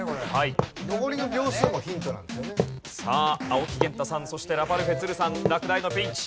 青木源太さんそしてラパルフェ都留さん落第のピンチ。